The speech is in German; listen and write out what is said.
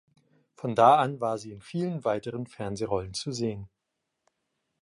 Von da an war sie in vielen weiteren Fernsehrollen zu sehen.